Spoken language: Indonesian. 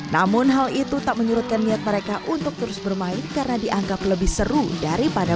namun hal itu tak menyurutkan niat mereka untuk terus bermain karena dianggap lebih seru daripada